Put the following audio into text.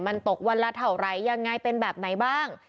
มันตกวันละเท่าไหร่ยังไงเป็นแบบไหนบ้าง